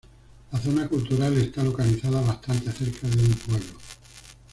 La zona cultural está localizada bastante cerca de un pueblo.